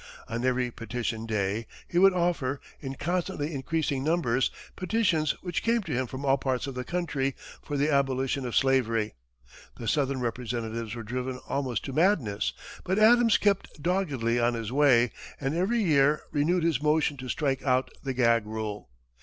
On every petition day, he would offer, in constantly increasing numbers, petitions which came to him from all parts of the country for the abolition of slavery. The southern representatives were driven almost to madness, but Adams kept doggedly on his way, and every year renewed his motion to strike out the gag rule.